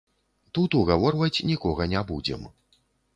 Тут угаворваць нікога не будзем.